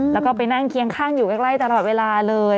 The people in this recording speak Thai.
แล้วก็ไปนั่งเคียงข้างอยู่ใกล้ตลอดเวลาเลย